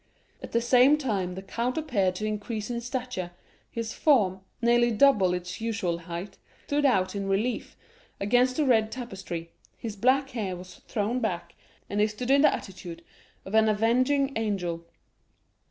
At the same time the count appeared to increase in stature, his form, nearly double its usual height, stood out in relief against the red tapestry, his black hair was thrown back, and he stood in the attitude of an avenging angel.